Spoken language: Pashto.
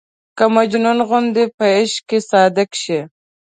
که مجنون غوندې په عشق کې صادق شي.